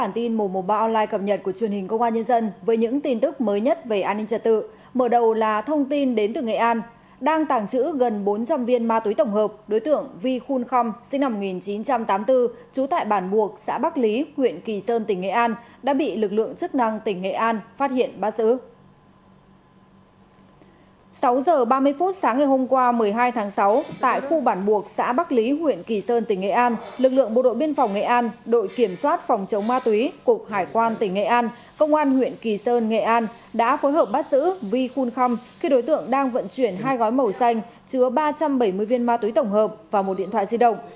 sáu giờ ba mươi phút sáng ngày hôm qua một mươi hai tháng sáu tại khu bản buộc xã bắc lý huyện kỳ sơn tỉnh nghệ an lực lượng bộ đội biên phòng nghệ an đội kiểm soát phòng chống ma túy cục hải quan tỉnh nghệ an công an huyện kỳ sơn nghệ an đã phối hợp bắt giữ vi khun khăm khi đối tượng đang vận chuyển hai gói màu xanh chứa ba trăm bảy mươi viên ma túy tổng hợp và một điện thoại di động